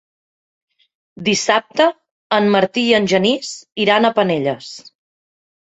Dissabte en Martí i en Genís iran a Penelles.